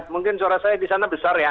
mungkin suara saya di sana besar ya